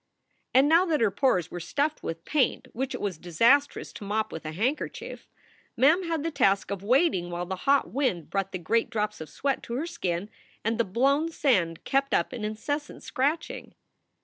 And now that her pores were stuffed with paint which it was disastrous to mop with a handkerchief, Mem had the task of waiting while the hot wind brought the great drops of sweat to her skin and the blown sand kept up an incessant scratching.